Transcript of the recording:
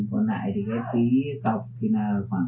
còn lại thì cái phí cọc thì là khoảng